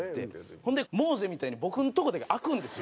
ほんで、モーゼみたいに僕のとこだけ開くんですよ。